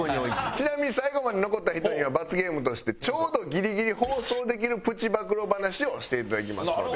ちなみに最後まで残った人には罰ゲームとしてちょうどギリギリ放送できるプチ暴露話をしていただきますので。